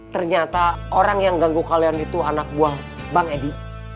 ternyata orang yang ganggu kalian itu anak buah bang edi